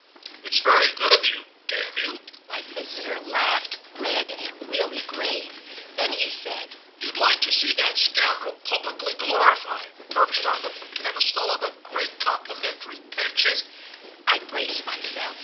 "It's very good of you, damn you!" my visitor laughed, red and really grave. Then he said: "You'd like to see that scoundrel publicly glorified—perched on the pedestal of a great complimentary pension?" I braced myself.